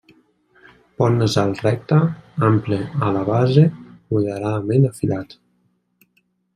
Pont nasal recte, ample a la base, moderadament afilat.